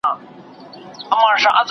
شپې مو په ساحل کې د څپو له وهمه وتښتي